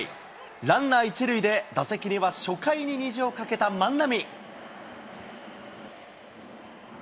ランナー１塁で打席には初回に虹をかけた万波。